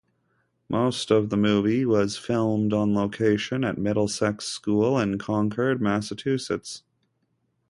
Most of the movie was filmed on location at Middlesex School in Concord, Massachusetts.